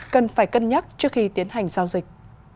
cần phải cân nhắc trước khi tiến hành giao dịch